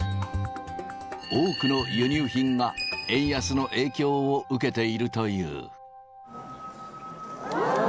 多くの輸入品が、円安の影響を受けているという。